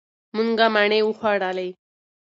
مونږه مڼې وخوړلې.